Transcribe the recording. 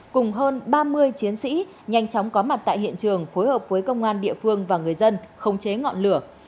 cùng hơn ba mươi chiến sĩ nhanh chóng có mặt tại hiện trường phối hợp với công an địa phương và người dân khống chế ngọn lửa